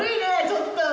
ちょっと！